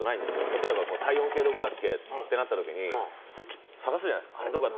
例えば体温計どこだっけってなった時に普通、探すじゃないですか？